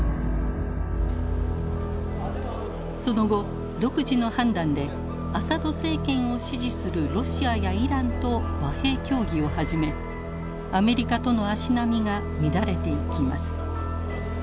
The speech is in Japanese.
その後独自の判断でアサド政権を支持するロシアやイランと和平協議を始めアメリカとの足並みが乱れていきます。